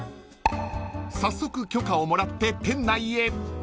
［早速許可をもらって店内へ］